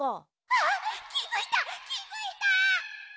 あっきづいたきづいた！